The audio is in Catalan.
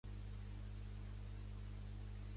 Saber fer unces dels xinxons.